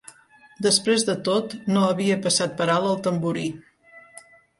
Després de tot, no havia passat per alt el tamborí.